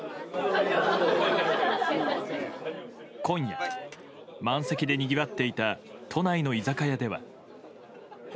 今夜、満席でにぎわっていた都内の居酒屋では。